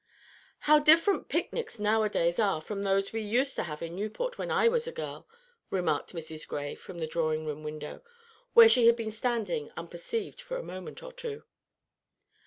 "How different picnics now a days are from those which we used to have in Newport when I was a girl," remarked Mrs. Gray from the drawing room window, where she had been standing unperceived for a moment or two.